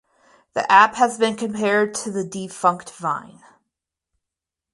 The app has been compared to the defunct Vine.